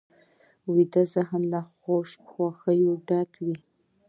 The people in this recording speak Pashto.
ویده ذهن له خوښیو ډک وي